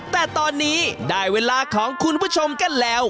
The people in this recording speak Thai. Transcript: แต่ตอนนี้ได้เวลาของคุณผู้ชมกันแล้ว